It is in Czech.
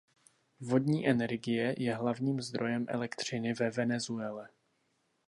Vodní energie je hlavním zdrojem elektřiny ve Venezuele.